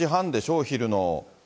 お昼の。